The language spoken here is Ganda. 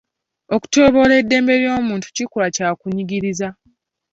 Okutyoboola eddembe ly'omuntu kikolwa kya kunyigiriza.